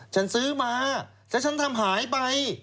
ฉันซื้อมาแล้วฉันทำหายไป